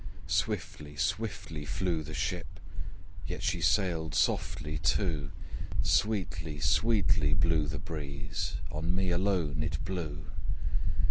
Swiftly, swiftly flew the ship, Yet she sailed softly too: Sweetly, sweetly blew the breeze On me alone it blew.